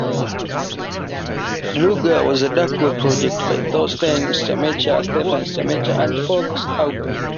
Deluga was a darkwave project by Thorsten Schmechta, Stefanie Schmechta, and Falk Aupers.